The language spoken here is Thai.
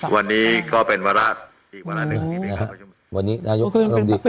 วันนี้ก็เป็นอีกวันหนึ่ง